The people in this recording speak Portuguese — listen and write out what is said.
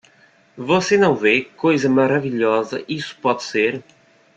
Você não vê que coisa maravilhosa isso pode ser?